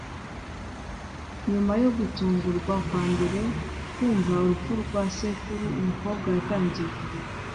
Nyuma yo gutungurwa kwambere kumva urupfu rwa sekuru umukobwa yatangiye kurira